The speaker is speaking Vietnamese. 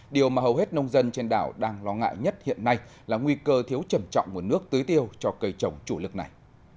điều mà hầu hết nông dân trên đảo đang lo ngại nhất hiện nay là nguy cơ thiếu trầm trọng nguồn nước tưới tiêu cho cây trồng chủ lực này